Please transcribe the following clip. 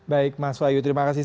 baik mas wahyu terima kasih